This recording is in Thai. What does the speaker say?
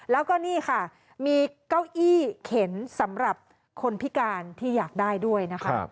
แล้วก็นี่ค่ะมีเก้าอี้เข็นสำหรับคนพิการที่อยากได้ด้วยนะคะ